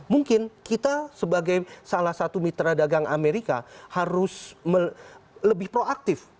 mungkin kita sebagai salah satu mitra dagang amerika harus lebih proaktif